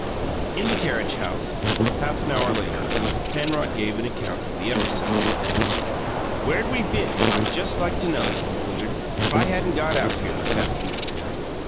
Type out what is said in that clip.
In the carriage house, half an hour later, Penrod gave an account of the episode. "Where'd we been, I'd just like to know," he concluded, "if I hadn't got out here this afternoon?"